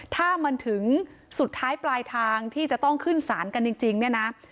ถ้ามันถึงสุดท้ายปลายทางที่จะต้องขึ้นศาลกันจริงเนี่ยนะ